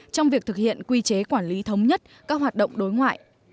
trong việc thực hiện quy chế quản lý thống nhất các hoạt động đối ngoại